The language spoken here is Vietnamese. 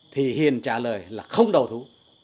thì hiền trả lời là không đầu thú